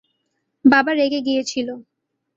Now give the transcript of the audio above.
বাবা রেগে গিয়েছিল।